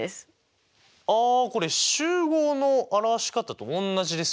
ああこれ集合の表し方とおんなじですよね。